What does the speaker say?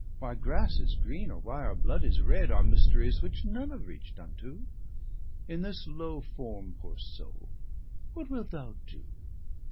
Why grasse is greene, or why our blood is red, Are mysteries which none have reach'd unto. In this low forme, poore soule, what wilt thou doe?